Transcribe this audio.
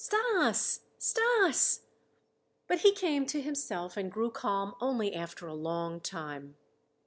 Stas! Stas!" But he came to himself and grew calm only after a long time.